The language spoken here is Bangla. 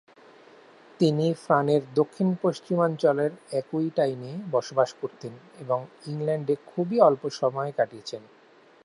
তিনি ফ্রানের দক্ষিণ-পশ্চিমাঞ্চলের অ্যাকুইটাইনে বসবাস করতেন এবং ইংল্যান্ডে খুবই অল্পসময় কাটিয়েছেন।